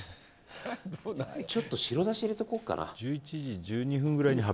ちょっと白だし入れとこうかな。